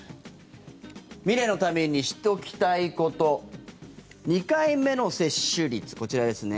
未来のために知っておきたいこと２回目の接種率、こちらですね。